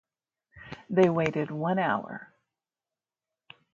They waited one hour.